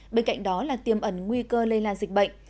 bên cạnh đó là tiêm ẩn nguy cơ lây lan dịch bệnh